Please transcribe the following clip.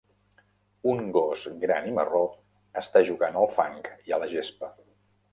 Un gos gran i marró està jugant al fang i a la gespa.